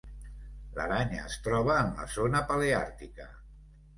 L'aranya es troba en la zona paleàrtica.